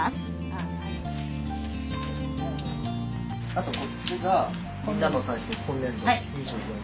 あとこっちが「みんなの体操」今年度２４万円。